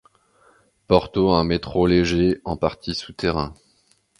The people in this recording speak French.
Porto a un métro léger, en partie souterrain.